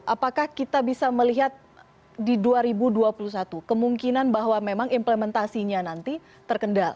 apakah kita bisa melihat di dua ribu dua puluh satu kemungkinan bahwa memang implementasinya nanti terkendali